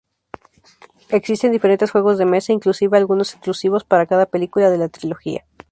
Existen diferentes juegos de mesa, inclusive algunos exclusivos para cada película de la trilogía.